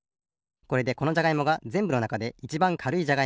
これでこのじゃがいもがぜんぶのなかでいちばんかるいじゃがいも